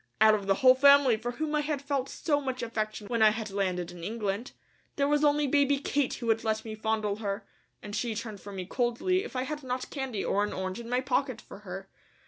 Out of the whole family, for whom I had felt so much affection when I had landed in England, there was only baby Kate who would let me fondle her, and she turned from me coldly if I had not candy or an orange in my pocket for her.